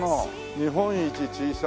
日本一小さい。